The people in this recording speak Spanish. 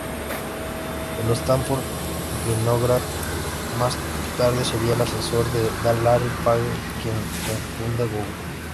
En Stanford, Winograd más tarde sería el asesor de Larry Page, quien co-fundó Google.